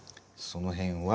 そのへんは。